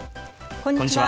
こんにちは。